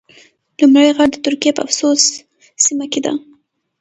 لومړی غار د ترکیې په افسوس سیمه کې ده.